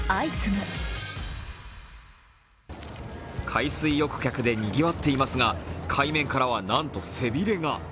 海水浴客でにぎわっていますが、海面からはなんと背びれが。